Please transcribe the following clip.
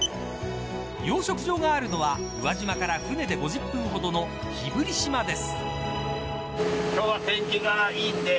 養殖場があるのは宇和島から船で５０分ほどの日振島です。